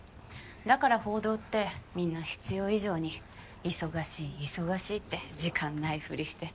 だから報道ってみんな必要以上に忙しい忙しいって時間ないふりして。